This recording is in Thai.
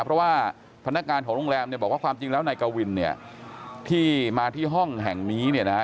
เพราะว่าพนักงานของโรงแรมเนี่ยบอกว่าความจริงแล้วนายกวินเนี่ยที่มาที่ห้องแห่งนี้เนี่ยนะฮะ